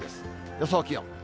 予想気温。